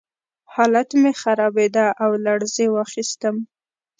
حالت مې خرابېده او لړزې واخیستم